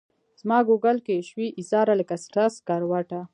زماګوګل کي شوې ایساره لکه سره سکروټه